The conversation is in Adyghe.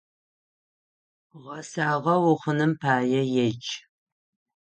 Гъэсагъэ ухъуным пае едж!